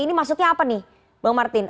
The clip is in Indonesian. ini maksudnya apa nih bang martin